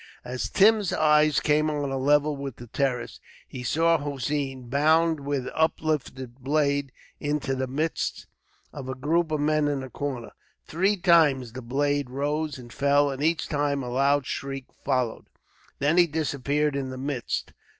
As Tim's eyes came on a level with the terrace, he saw Hossein bound with uplifted blade into the midst of a group of men in the corner. Three times the blade rose and fell, and each time a loud shriek followed. Then he disappeared in the midst.